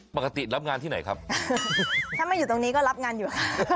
ปกติรับงานที่ไหนครับถ้าไม่อยู่ตรงนี้ก็รับงานอยู่